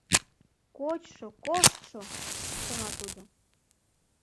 Кочшо, коштшо!» — шона тудо.